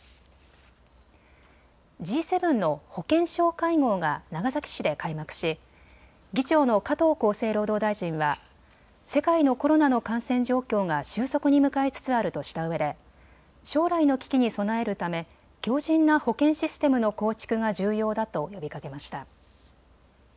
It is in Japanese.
Ｇ７の保健相会合が長崎市で開幕し議長の加藤厚生労働大臣は世界のコロナの感染状況が収束に向かいつつあるとしたうえで将来の危機に備えるため強じんな保健システムの構築が重要だと呼びかけました。